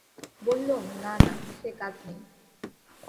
বললুম, না না, সে কাজ নেই।